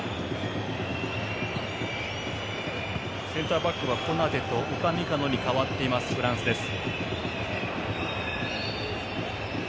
センターバックはコナテとウパミカノに代わっています、フランスです。